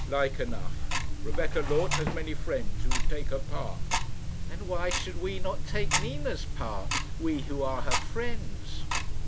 "Like enough. Rebecca Loth has many friends who would take her part." "And why should we not take Nina's part we who are her friends?"